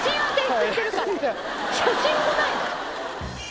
写真もないの？